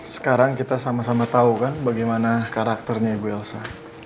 sekarang kita sama sama tahu kan bagaimana karakternya ibu elsa